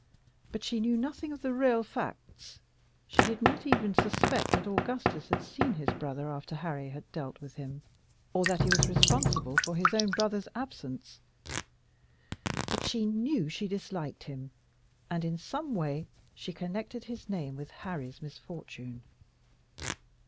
But she knew nothing of the real facts; she did not even suspect that Augustus had seen his brother after Harry had dealt with him, or that he was responsible for his brother's absence. But she knew that she disliked him, and in some way she connected his name with Harry's misfortune.